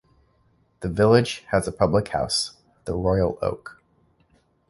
The village has a public house, the Royal Oak.